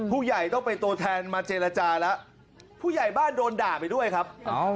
ผู้ใหญ่ต้องเป็นตัวแทนมาเจรจาแล้วผู้ใหญ่บ้านโดนด่าไปด้วยครับ